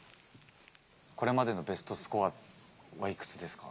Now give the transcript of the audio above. これまでのベストスコアはいくつですか。